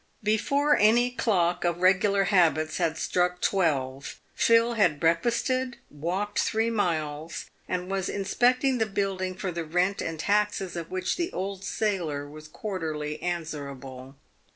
Before any clock of regular habits had struck twelve, Phil had breakfasted, walked three miles, and was inspecting the building for the rent and taxes of which the old sailor was quarterly answerable.